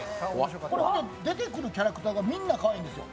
出てくるキャラクターがみんなかわいいんですよ。